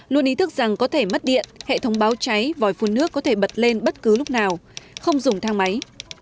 luôn ý thức rằng có thể mất điện hệ thống báo cháy vòi phun nước có thể bật lên bất cứ lúc nào không dùng thang máy